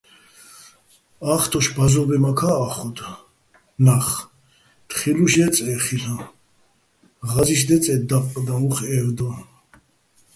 ა́ხდოშ ბა́ზრობენმაქა́ ა́ხოდო̆ ნახ, თხილუშ ჲეწე́ ხილ'აჼ, ღაზი́შ დეწე́ დაყყდაჼ უ̂ხ ე́ვდო́.